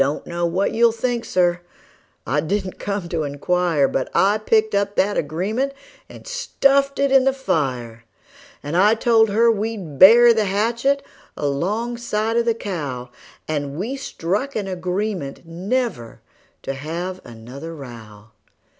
I don't know what you'll think, Sir I didn't come to inquire But I picked up that agreement and stuffed it in the fire; And I told her we'd bury the hatchet alongside of the cow; And we struck an agreement never to have another row.